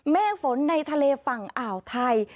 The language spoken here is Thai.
เมฆฝนในทะเลฝั่งอ่าวไทย